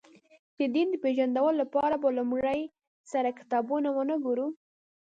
د دین د پېژندلو لپاره به له لومړي سره کتابونه ونه ګورو.